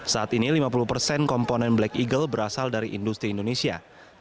saat ini lima puluh persen komponen black eagle berasal dari industri indonesia